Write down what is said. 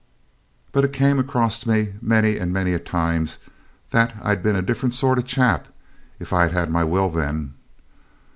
But it's came acrost me many and many a time that I'd been a different sort o' chap if I'd had my will then.